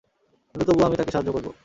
কিন্তু তবুও আমি তাকে সাহায্য করবো।